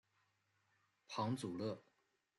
庞祖勒。